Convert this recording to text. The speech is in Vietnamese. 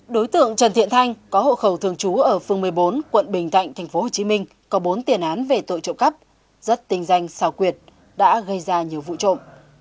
đối tượng trần thiện thanh có hộ khẩu thường trú ở phương một mươi bốn quận bình thạnh tp hcm có bốn tiền án về tội trộm cắp rất tinh danh xào quyệt đã gây ra nhiều vụ trộm